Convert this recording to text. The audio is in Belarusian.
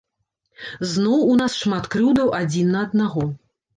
Зноў у нас шмат крыўдаў адзін на аднаго.